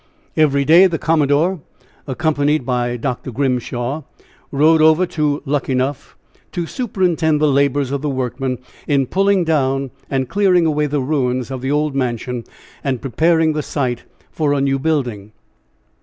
Every day the commodore, accompanied by Dr. Grimshaw, rode over to Luckenough to superintend the labors of the workmen in pulling down and clearing away the ruins of the old mansion and preparing the site for a new building.